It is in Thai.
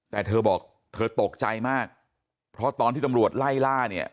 แต่เธอบอกเธอตกใจมากเพราะตอนที่ตำรวจไล่ล่าเนี่ย